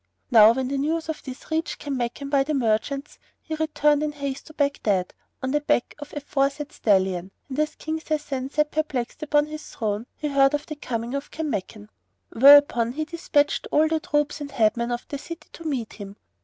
Now when the news of this reached Kanmakan by the merchants, he returned in haste to Baghdad on the back of the aforesaid stallion, and as King Sasan sat perplexed upon his throne he heard of the coming of Kanmakan; whereupon he despatched all the troops and head men of the city to meet him.